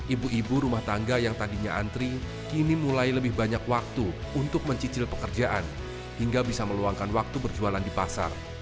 ibu ibu rumah tangga yang tadinya antri kini mulai lebih banyak waktu untuk mencicil pekerjaan hingga bisa meluangkan waktu berjualan di pasar